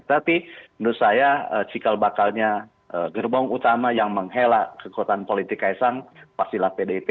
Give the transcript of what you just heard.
tapi menurut saya cikal bakalnya gerbong utama yang menghelak kekuatan politik kaesang pastilah pdip